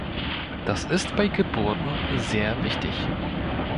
Das ist bei Geburten sehr wichtig.